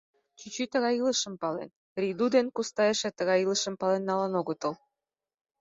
Чӱчӱ тыгай илышым пален, Рийду ден Куста эше тыгай илышым пален налын огытыл.